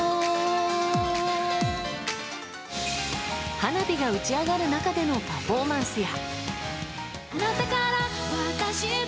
花火が打ち上がる中でのパフォーマンスや。